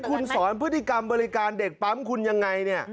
คุณสอนพฤติกรรมบริการเด็กปั๊มคุณยังไงเนี่ย